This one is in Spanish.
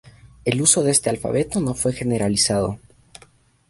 El uso de este alfabeto no fue generalizado.